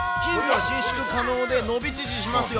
伸縮可能で伸び縮みしますよ。